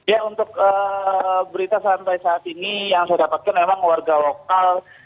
ya untuk berita sampai saat ini yang saya dapatkan memang warga lokal